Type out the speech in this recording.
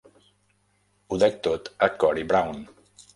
Ho dec tot a Corey Brown.